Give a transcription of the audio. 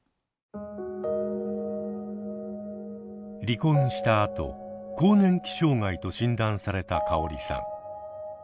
離婚したあと更年期障害と診断されたかおりさん。